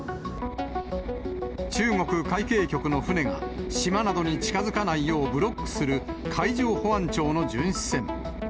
中国海警局の船が、島などに近づかないようブロックする海上保安庁の巡視船。